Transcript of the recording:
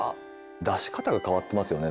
出し方が変わってますよね